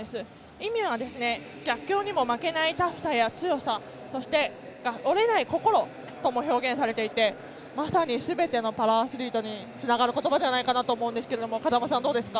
意味は、逆境にも負けないタフさや強さそして、折れない心とも表現されていてまさにすべてのパラアスリートにつながる言葉じゃないかなと思うんですが風間さん、どうですか。